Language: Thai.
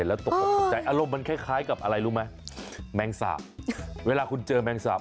อารมณ์มันคล้ายกับอะไรรู้ไหมแมงสาปเวลาคุณเจอแมงสาป